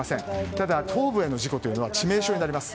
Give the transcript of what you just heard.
ただ頭部への事故というのは致命傷になります。